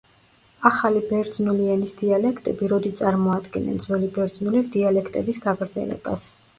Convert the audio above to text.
ახალი ბერძნული ენის დიალექტები როდი წარმოადგენენ ძველი ბერძნული დიალექტების გაგრძელებას.